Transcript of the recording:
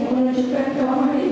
yang menunjukkan kemahir